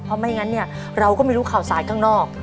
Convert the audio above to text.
เพราะไม่งั้นเนี่ยเราก็ไม่รู้ข่าวสารข้างนอก